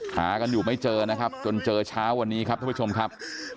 หากันอยู่ไม่เจอนะครับจนเจอเช้าวันนี้ครับท่านผู้ชมครับ